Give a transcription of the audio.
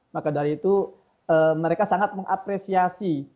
maka dari itu mereka sangat mengapresiasi